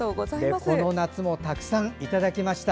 この夏もたくさんいただきました。